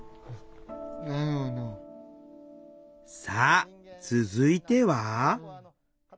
さあ続いては。